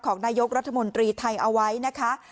ของนายกรัฐมนตรีไทยเอาไว้นะคะ